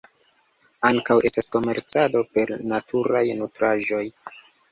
Ankaŭ estas komercado per naturaj nutraĵoj.